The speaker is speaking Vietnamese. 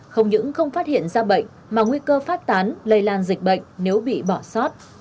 không những không phát hiện ra bệnh mà nguy cơ phát tán lây lan dịch bệnh nếu bị bỏ sót